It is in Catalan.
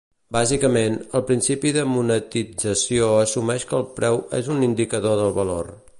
Bàsicament, el principi de monetització assumeix que el preu és un indicador del valor.